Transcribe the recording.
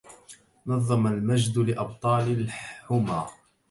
نظم المجد لأبطال الحمى